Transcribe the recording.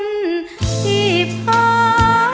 หัวใจเหมือนไฟร้อน